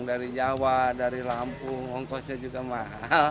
dari jawa dari lampung ongkosnya juga mahal